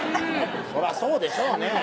そらそうでしょうね